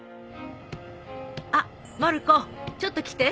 あっまる子ちょっと来て。